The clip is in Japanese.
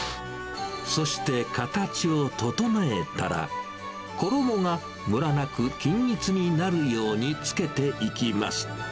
そして、形を整えたら、衣がむらなく均一になるようにつけていきます。